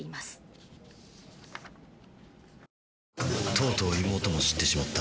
とうとう妹も知ってしまった。